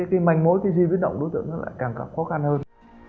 cái mành mối khi di biến động đối tượng nó lại càng càng khó khăn hơn